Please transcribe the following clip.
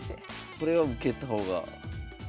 これは受けた方が。